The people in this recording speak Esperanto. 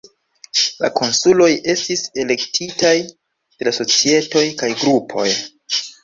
La konsuloj estis elektitaj de la societoj kaj grupoj.